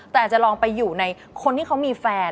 แต่อาจจะลองไปอยู่ในคนที่เขามีแฟน